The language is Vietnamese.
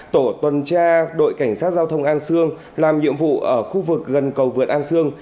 tổ tuần tra đội cảnh sát giao thông an sương làm nhiệm vụ ở khu vực gần cầu vượt an sương